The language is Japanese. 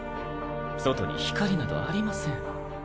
外に光などありません。